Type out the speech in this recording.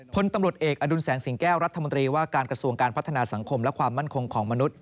พลตำรวจเอกอดุลแสงสิงแก้วรัฐมนตรีว่าการกระทรวงการพัฒนาสังคมและความมั่นคงของมนุษย